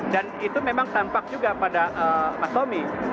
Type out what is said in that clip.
dan itu memang tampak juga pada pak tommy